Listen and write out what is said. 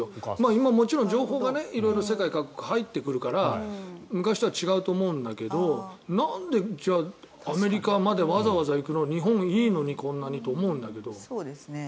今もちろん情報が世界各国から入ってくるから昔とは違うと思うんだけどなんでじゃあ、アメリカまでわざわざ行くの日本、いいのにこんなにと思うんだけど。